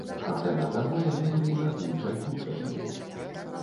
Акрамя таго, яны былі надзвычай хуткаснымі.